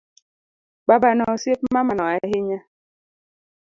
Babano osiep mamano ahinya